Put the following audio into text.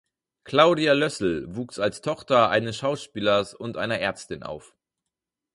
Claudia Lössl wuchs als Tochter eines Schauspielers und einer Ärztin auf.